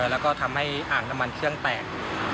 แล้วก็ทำให้อ่างน้ำมันเครื่องแตก